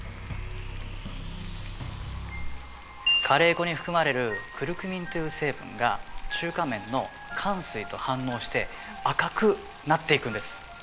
カレー粉に含まれるクルクミンという成分が中華麺のかんすいと反応して赤くなっていくんです。